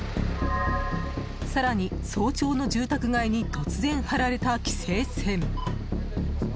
更に、早朝の住宅街に突然張られた規制線。